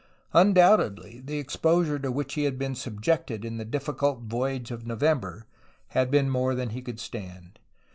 Undoubtedly, the exposure to which he had been subjected in the difficult voyage of November had been more than he could stand.